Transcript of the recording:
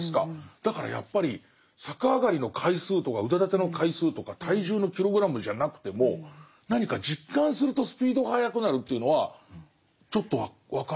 だからやっぱり逆上がりの回数とか腕立ての回数とか体重のキログラムじゃなくても何か実感するとスピードが速くなるというのはちょっと分かる。